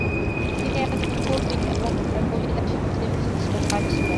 তিনি একজন কবি এবং তার কবিতা সবচেয়ে বেশি ছিল ফার্সি ভাষায়।